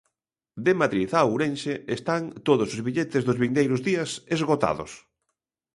De Madrid a Ourense están todos os billetes dos vindeiros días esgotados.